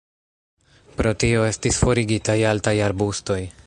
Pro tio estis forigitaj altaj arbustoj.